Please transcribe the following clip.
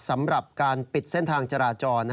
สำหรับการปิดเส้นทางจราจร